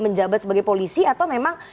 menjabat sebagai polisi atau memang